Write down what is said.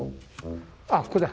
あっここだ！